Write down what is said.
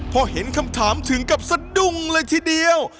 พอเห็นคำถามถึงกับสะดุ้งเลยทีเดียว